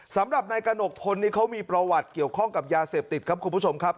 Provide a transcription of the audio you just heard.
สำหรับนายกระหนกพลนี่เขามีประวัติเกี่ยวข้องกับยาเสพติดครับคุณผู้ชมครับ